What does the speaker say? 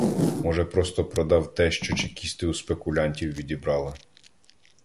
Може, просто продав те, що чекісти у "спекулянтів" відібрали.